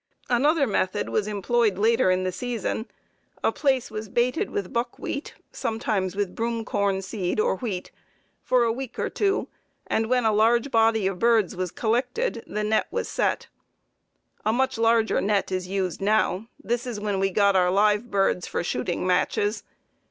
Another method was employed later in the season; a place was baited with buckwheat, sometimes with broomcorn seed, or wheat, for a week or two, and, when a large body of birds was collected, the net was set. A much larger net is used now. Then is when we got our live birds for shooting matches.